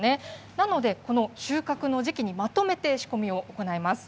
なので、この収穫の時期にまとめて仕込みを行います。